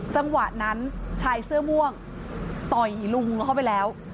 จังหวะนั้นชายเสื้อม่วงต่อยลุงเข้าไปแล้ว